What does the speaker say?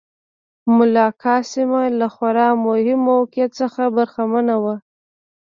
ملاکا سیمه له خورا مهم موقعیت څخه برخمنه وه.